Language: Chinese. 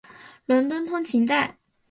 伦敦通勤带。